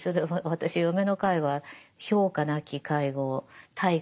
私嫁の介護は評価なき介護対価